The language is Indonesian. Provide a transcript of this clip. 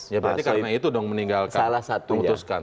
ya berarti karena itu dong meninggalkan